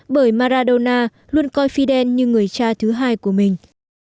bởi maradona luôn coi fidel như người cha thứ hai của mình